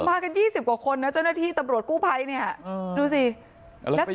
มากัน๒๐กว่าคนนะเจ้าหน้าที่ตำรวจกู้ไพร์เนี่ย